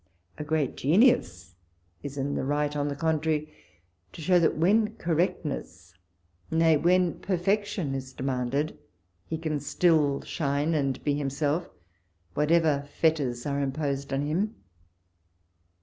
A great genius is in the right, on the contrary, to show that when correctness, nay, when per fection is demanded, he can still shine, and be himself, whatever fetters are imposed on him.